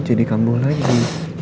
jadi kambuh lagi